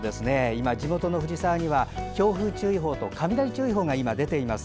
今、地元の藤沢には強風注意報と雷注意報が出ています。